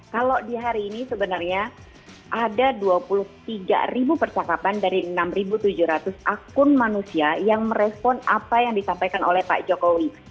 kalau di hari ini sebenarnya ada dua puluh tiga percakapan dari enam tujuh ratus akun manusia yang merespon apa yang disampaikan oleh pak jokowi